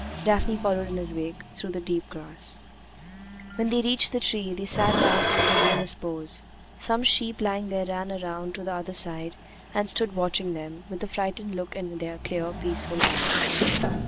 Daphne followed in his wake, through the deep grass. When they reached the tree, they sat down under the rayless boughs. Some sheep lying there ran round to the other side and stood watching them, with a frightened look in their clear, peaceful eyes.